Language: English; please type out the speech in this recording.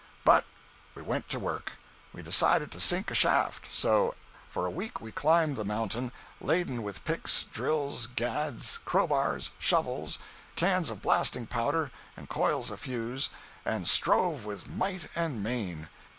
But we went to work. We decided to sink a shaft. So, for a week we climbed the mountain, laden with picks, drills, gads, crowbars, shovels, cans of blasting powder and coils of fuse and strove with might and main.